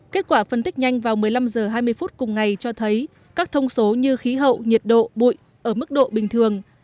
kết quả phân tích nhanh vào một mươi năm h hai mươi phút cùng ngày cho thấy các thông số như khí hậu nhiệt độ bụi ở mức độ bình thường